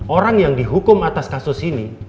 orang yang dihukum atas kasus ini